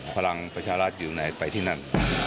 พลังประชารัฐอยู่ไหนไปที่นั่น